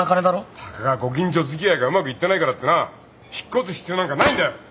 たかがご近所付き合いがうまくいってないからってな引っ越す必要なんかないんだよ。